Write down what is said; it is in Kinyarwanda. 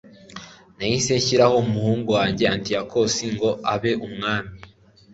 nahise nshyiraho umuhungu wanjye antiyokusi ngo abe umwami